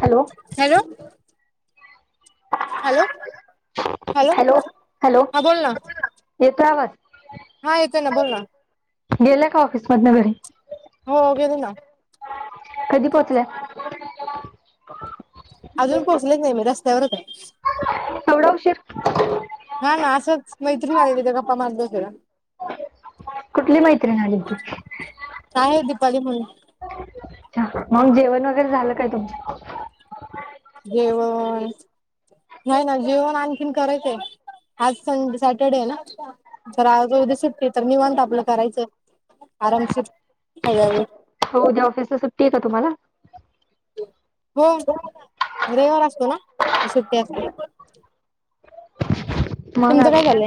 Hello hello. Hello, hello, हा बोल ना. येतो आवाज. हा येतोय ना. बोल ना. गेल्या का ऑफिस मधन घरी? हो गेले ना. कधी पोहोचल्या. अजून पोहोचलेच नाही मी. रसत्यावरचे. एवढा उशीर. हा ना असच मैत्रीन आलेली. गप्पा मारत जरा. कुठली मैत्रीन आली होती. काय दीपाली म्हणून अच्छा, मग जेवण वगैरे झालं काय तुमच. जेवण, नाही ना जेवण आणखीन करायचंय. आज संडे सॅटर्डेय ना. तर आज उद्या सुट्टी. तर निवांत आपलं करायचं. आरामशीर सगळ्या गोष्टी. हो उद्या ऑफिसला सुट्टीय का तुम्हाला? हो रविवार असतो ना. सुट्टी असते. मग आज काय?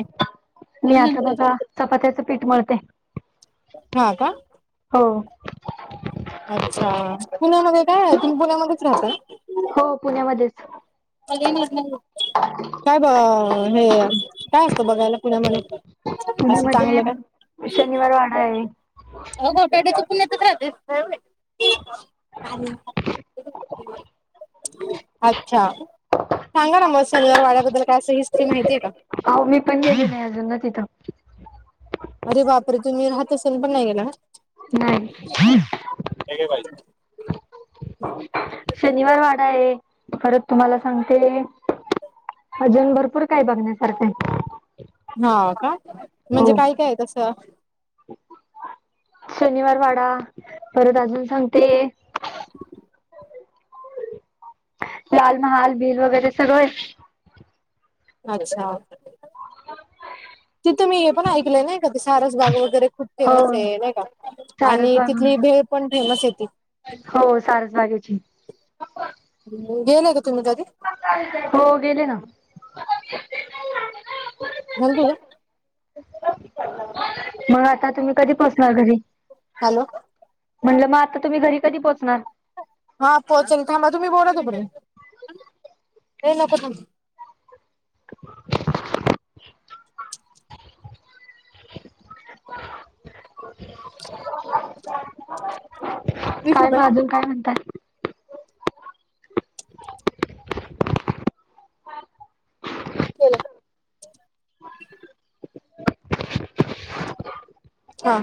मी आता चाललंय बघा, चपात्याचं पीठ मळते. हा का? हो. अच्छा, पुण्यामध्ये काये? तुम्ही पुण्यामध्येच राहता ना. हो पुण्यामध्येच. आज येणार नाहीयेत त्या. [unintelligible] काय ब हे काय असतं बघायला? पुण्यामध्ये. असं चांगलं काय? पुण्यामध्ये शनिवार वाडा आहे पुण्यातच राहते. अच्छा. सांगा ना म. सिल्वररवाड्याद्दल काय असं, हिस्ट्री माहितीय का? अहो मी पण गेली नाही. अजून ना तिथं. अरे बापरे. तुम्ही राहत असुल पण नाही गेला का? नाही. हे घे भाजी. शनिवार वाडाये. परत तुम्हाला सांगते. अजून भरपूर काही बघण्यासारखंय. हा का? म्हणजे काय काये तसं. शनिवार वाडा. परत अजून सांगते. [unintelligible] लाल महाल बिल वगैरे सगळय. अच्छा. [unintelligible] तिथं मी हे पण ऐकलंय नाही का. ते सारस बाग वगैरे खूप हो फेमसे. नाय का? आणि सारसबाग तिथली भेळ पण फेमसे ती. हो सारसबागेची हम्म गेले का तुम्ही कधी? हो गेले ना [unintelligible] झाल तुला [unintelligible] मग आता तुम्ही मग आता कधी पोहोचणार घरी, हॅलो म्हटलं मग आता तुम्ही घरी कधी पोहोचणार? हा पोचलन थांबा तुम्ही बोला तोपर्यंत, नाही नको थांब [inaudible] [inaudible] [unintelligible] वीस काय रुपये मग अजून काय म्हणताय? कडकड [inaudible] केलय. [unintelligible] हा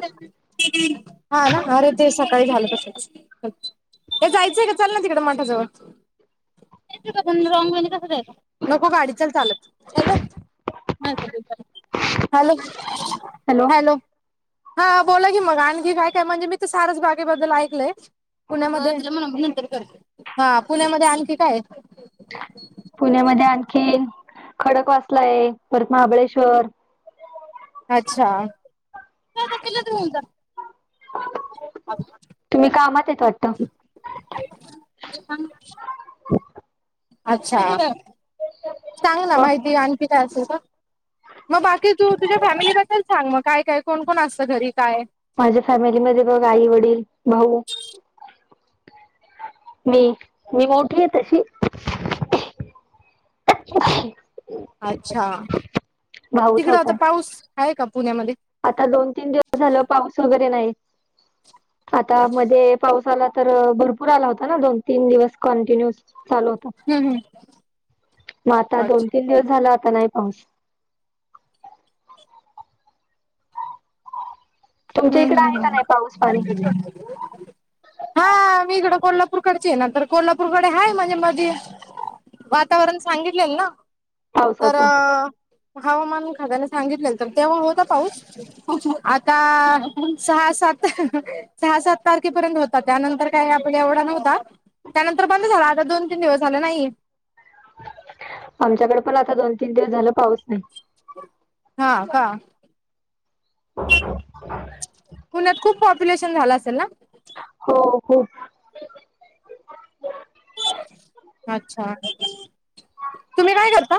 हा ना अरे ते सकाळी झालं तस. हे जायचंय का चाल ना तिकडे माठाजवळ रॉग वे ने कस जायचं नको गाडीचाल चालत. Hello hello hello. हॅलो. हा बोला की मग आणखी काय काय, म्हणजे मी त सारस बागेबद्दल ऐकलंय. पुण्यामध्ये हा पुण्यामध्ये आणखी काय आहे. पुण्यामध्ये आणखी खडक वाचला आहे परत महाबळेश्वर अच्छा. तुम्ही कामात आहेत वाटतं? [unintelligible] अच्छा सांग ना मग माहिती आणखी काय असेल का. मग बाकी तू तुझ्या फॅमिलीबद्दल सांग मग काय काय कोण कोण असतं घरी काय. माझ्या फॅमिलीमध्येध्ये बघ आई वडील भाऊ मी मी मोठी आहे तशी. अ् [inaudible] अच्छा, भाऊ तिकडं छोटा आता आहे पाऊस आहे का पुण्यामध्ये आता दोन तीन दिवस झालं पाऊस वगैरे नाही, आता मध्ये पाऊसा आला. तर भरपूर आला होता ना दोन तीन दिवस कंटिन्यूस चालू होता. हम्म हम्म. मग आता अच्छा. दोन तीन दिवस झाला आता नाही पाऊस. तुमच्या इकडे आहे हम्म का नाही पाऊस हम् पाणी हम् [inaudible] हा मी इकडं कोल्हापूरकडचे आहे, नंतर कोल्हापूरकडे आहेाय म्हणजे मध्ये वातावरण सांगितलेल ना तर पावसाचं? हवामान खात्याने सांगितले तर तेव्हा होता. पाऊस आता सहा सात सहा सात तारखेपर्यंत होता, त्यानंतर काय आपण एवढा नव्हता. त्यानंतर बंद झाला. आता दोन तीन दिवस झाले नाहीे. आमच्याकडे पण आता दोन तीन दिवस झालं पाऊस नाही. हा का. पुण्यात खूप पॉप्युलेशन झाला असेल ना? हो खुप. अच्छा तुम्ही काय करता?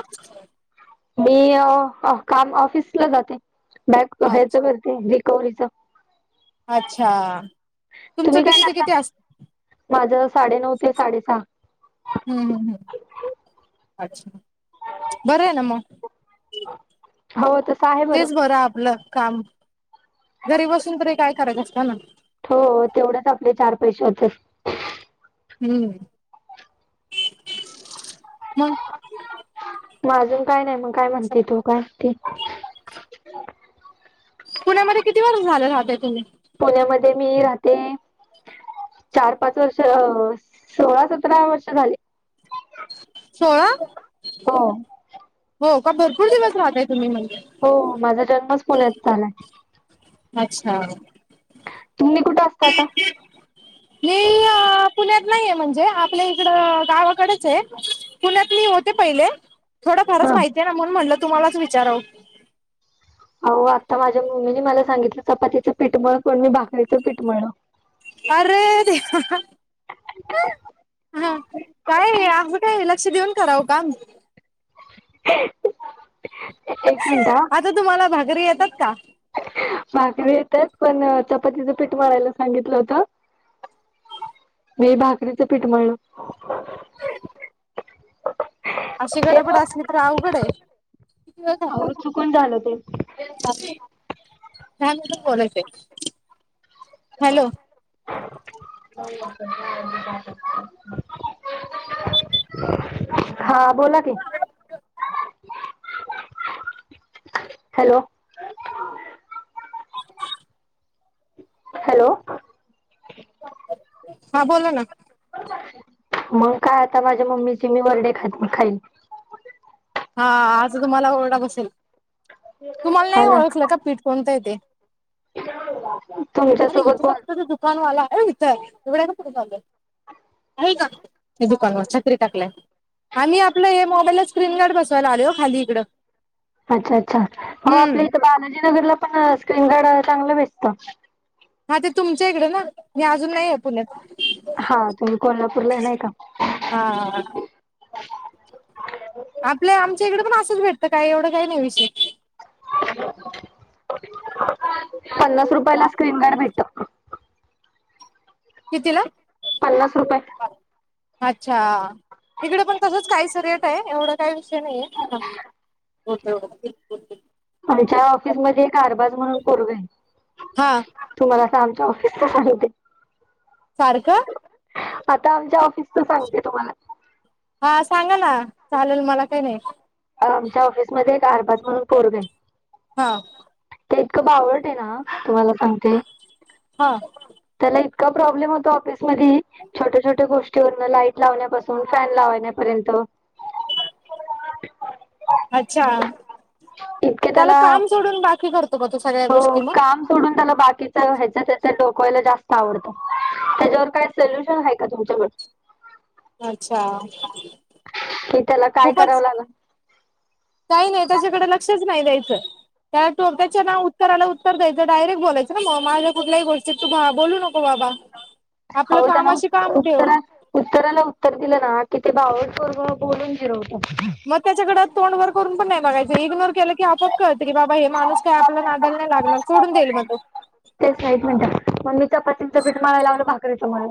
मी काम ऑफिसला जाते, बॅग ह्याच अच्छा करते बिकॉम च अच्छा तुमचं किती ते किती असत. माझ साडेनऊ ते साडेसहा. हम्म-हम्म, [inaudible] हम् अच्छा बरं आहे ना मग हो तस आहे. तेच बरं आपलं काम घरी बसून तरी काय करक असत ना हो तेवढंच आपले चार पैसे होत. हम्म [unintelligible] मग मग अजून काय नाही मग काय म्हणते, तो काय ते. पुण्यामध्ये किती वर्ष झाले राहत तुम्ही, पुण्यामध्ये मी राहते चार पाच वर्ष अ सोळा सतरा वर्ष झाले. सोळा, हो [inaudible] हो का भरपूर दिवस राहताय तुम्ही म्हणजे. हो माझा जन्मच पुण्यात चालाय अच्छा [inaudible] तुमही कुठे असत आता? मी अ पुण्यात नाहीये म्हणजे, आपल्या इकडं गावाकडेच आहे पुण्यात मी होते पहिले थोडं फारच हा माहितीय ना म्हणून म्हटलं तुम्हालाच विचारवं. होह आता माझ्या मम्मीनी मला सांगितलं चपातीचं पीठमळ कोण मी भाकरीचं पीठ म्हळ अरे दे, [unintelligible] हा, काय आ काय लक्ष देऊन करावं का एक मिनटा आता तुम्हाला भाघरी येतात का? भाकरी येतात पण चपातीचं पीठ मारायला सांगितलं होत [inaudible] मी भाकरीचं पीठ म्हळलं, [inaudible] अशी हे गडबड असली मग तर अवघड आहे. अहो चुकून झालं ते. [unintelligible] [unintelligible] हॅलो [unintelligible] [unintelligible] हा, बोला की हॅलो, हॅलो, [inaudible] हा बोला ना. मग काय आता माझ्या मम्मीची मी वर्डे खात खाईल हा आता तुम्हाला ओरखा बसेल [inaudible] तुम्हाला हा नाही ना ओळखलं का पीठ कोणत य तेे [inaudible] अरे तुमच्यासोबत बोल इथचगत त दुकानवाला आहे इथं तेवढ्या ना कुठे झालं का दुकानवर छत्री टाकलाय आम्ही आपलं मोबाईल ला स्क्रीन गार्ड बस यला आले हो खाली इकं, अच्छा अच्छा अ आपल्या इथं बालाजीनगरला पण स्क्रीन गार्ड चांगलं भेसतं हा ते तुमच्या इकडे ना मी अजून नाही आहे पुण्यात हा तुम्ही कोल्हापूरला आहे नाही का [inaudible] हा, आपल्या आमच्या इकडे पण असंच भेटतं काय एवढं काही नाही विषय [unintelligible] पन्नास रुपया ला स्क्रीन गार्ड भेट किती ल [unintelligible] पन्नास रुपये, [inaudible] अच्छा इकडे पण तसच कायस रेट आहे एवढ काय विषय नाहीये ओके के बिकुल आमच्या ऑफिसमध्येध्ये एक कारबाज म्हणून पुरवे. हा, तुम्हाला अस आमच्या ऑफिसवते सारखं, आता आमच्या ऑफिसच सांगते तुम्हाला हा सांगा ना चालेल मला काही नाही आमच्या ऑफिसमध्येध्ये एक आर पाच म्हणून कोरगे-' हा ते इतकं बा आवडट आहे ना तुम्हाला सांगते. हा त्याला इतका प्रॉब्लेम होता ऑफिसमध्येध छोट्या छोट्या गोष्टीवरन लाईट लावण्यापासून फॅन लावण्यापर्यंत अच्छा त्याला काम सोडून बाकी करतो ब तू सगळ्या हो गोष्टी मग काम सोडून त्याला बाकीच ह्याच त्या डोकवायला जास्त आवडतं त्याच्यावर काय सोल्युशन आहे का तुमच्याकड. अच्छा कि त्याला काय करावं खूपच लाग काही नाही त्याच्याकडे लक्षच नाही द्यायचं. त्यालाो त्याच्या ना उत्तराला उत्तर द्यायच डयरेट बोलायचं ना मग माझ्या कुठल्याही गोष्टीत तू बोलू नको बाबा हो आपलं त्यां कामाशी काम ठेव नातना उत्तराला उत्तर दिलं ना कि ते बावळटपोरगबोलून जिरोत मग त्याच्याकडें तोंड वर करून पण नाही मागायच इग्नोर केलं की आपाप कळं की बाबा हे माणू काय आपला नादल नाही लागला सोडून देईल मग तो ते साई मिनटात मग मीच्या पतीचं पीठ मला लावलं भाकर येतं मला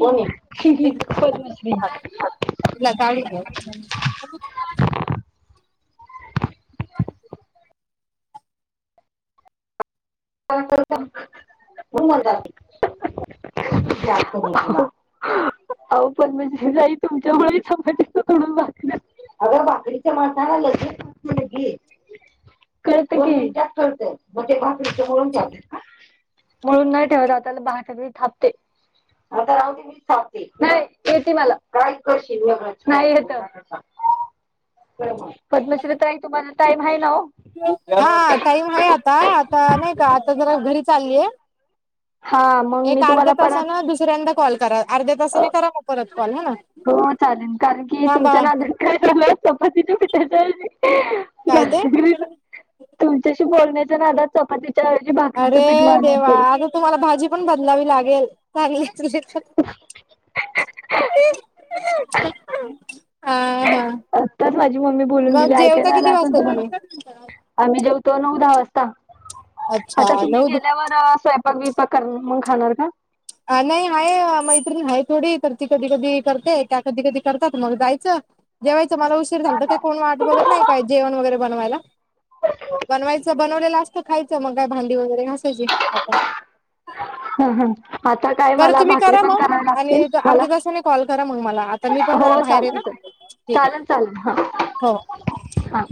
कोणी मली चाल [unintelligible] होत [unintelligible] [inaudible] अहो पण मी ते आहे तुमच्यामुळे चपातीचं सोडून भाकऱ्या अगर बाकरीचे माारता ना लगे कळत कि कोन विचार करतय मग ते भाकरी चमळन जाते का. मळुन नाही टेवत मि भाकर मी थापते आता राहुदे. नाही येते मला का क नाही येत. पद्मश्रीताई तुम्हाला टाइम आहे नावो हा टाइम आहे आता आता नाही का आता जरा घरी चाललीय हा मग एक मी अर्ध्या तुम्हाला परत तासान दुसऱ्यांदा कॉल करा अर्ध्या अ, तासाने करा मग परत कॉल ह ना हो चालेल कारण की थांबा तुमच्या नादत काय झालं चपाती पिटायचं काय ते तुमच्याशी बोलण्याच्या नाद चपातीच्या वजी भाकरीचं पीठ अरे मळल देवा गेलं. आता तुम्हाला भाजी पण बदलावी लागेल चांग अह हा आत्ताच माझी मम्मी बोलून गेली मग जेवता ऐकायला आला किती असे ना वाजता तुम्हाला. तुम्ही आम्ही जेवतो नऊ दहा वाजता अच्छा आता तुम्ही नऊ गेल्यावर स्वयंपाक वि पक कर मग खाणार का नाही आहे मैत्रिणी आहे थोडी तर ती कधी कधी करते त्या कधी कधी करतात मग जायचं जेवायचं मला उशीर झालत काय कोण वाट बघत नाही का जेवण वगैरे बनवायला. बनवायचं बनवलेलं असतं खायचं मग काय भांडी वगैरे घासायची आपण हम हम आता काय बरं मला तुम्ही भाकरी करा पण मग करावी आणि लागतील मला अर्ध्या तासाने कॉल करा मग मला आता मी पण जरा हो बाहेर आहे ना चालत. ठीक आहे चालेल चालेल हो हा हा